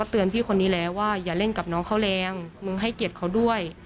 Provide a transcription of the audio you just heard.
เตือนพี่คนนี้แล้วว่าอย่าเล่นกับน้องเขาแรงมึงให้เกียรติเขาด้วย